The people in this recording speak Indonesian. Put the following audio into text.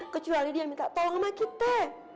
kecuali dia minta tolong sama kita